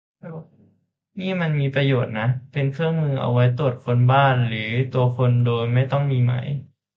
นี่มันมีประโยชน์นะ - เป็นเครื่องมือเอาไว้ตรวจค้นบ้านหรือตัวคนโดยไม่ต้องมีหมาย